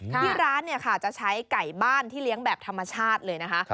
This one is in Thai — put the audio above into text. ที่ร้านเนี่ยค่ะจะใช้ไก่บ้านที่เลี้ยงแบบธรรมชาติเลยนะคะ